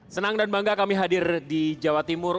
senang dan bangga kami hadir di jawa timur